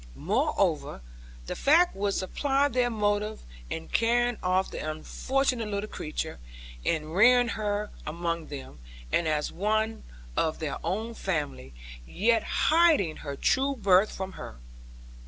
Moreover that fact would supply their motive in carrying off the unfortunate little creature, and rearing her among them, and as one of their own family; yet hiding her true birth from her.